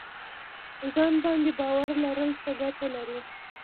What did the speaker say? ځان باندې باور لرل څه ګټه لري؟